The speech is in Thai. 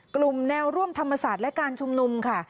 กลุ่มแนวร่วมธรรมศาสตร์และการชุมนุมค่ะ